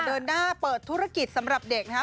เดินหน้าเปิดธุรกิจสำหรับเด็กนะครับ